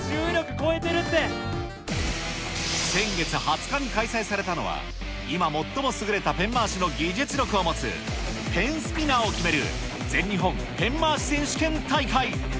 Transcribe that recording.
先月２０日に開催されたのは、今最も優れたペン回しの技術力を持つペンスピナーを決める、全日本ペン回し選手権大会。